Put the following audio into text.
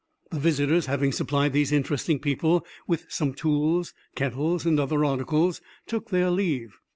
The visitors having supplied these interesting people with some tools, kettles, and other articles, took their leave.